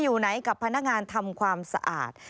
อยู่ไหนกับพนักงานทำความสะอาด